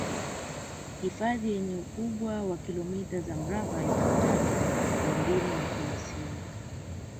hifadhi yenye ukubwa wa kilomita za mraba elfu tatu mia mbili na thelathini